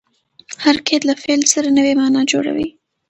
هر قید له فعل څخه نوې مانا جوړوي.